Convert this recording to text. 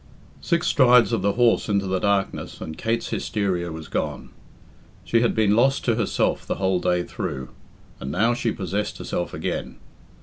Six strides of the horse into the darkness and Kate's hysteria was gone. She had been lost to herself the whole day through, and now she possessed herself again.